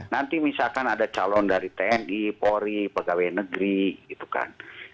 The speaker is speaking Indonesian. nanti misalkan ada calon dari tni polri pegawai negeri gitu kan